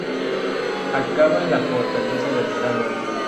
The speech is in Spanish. Acaba en la Fortaleza de Alejandro.